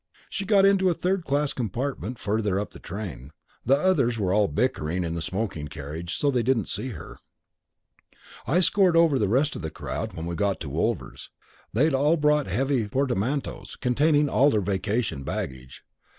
She got into a third class compartment farther up the train. The others were all bickering in the smoking carriage, so they didn't see her. I scored over the rest of the crowd when we got to Wolvers. They had all brought heavy portmanteaus, containing all their vacation baggage.